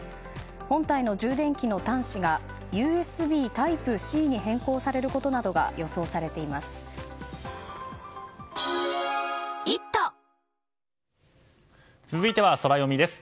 本体の充電器の端子がＵＳＢタイプＣに変更されることなどが続いてはソラよみです。